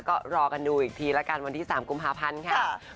ก็รอกันดูอีกทีละกันวันที่๓กุมภาพันธ์ค่ะ